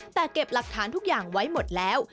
แต่เก็บหลักฐานทุกอย่างไว้หมดแล้ว